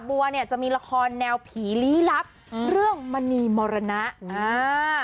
บัวเนี่ยจะมีละครแนวผีลี้ลับอืมเรื่องมณีมรณะอ่า